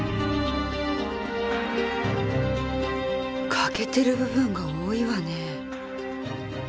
欠けてる部分が多いわね。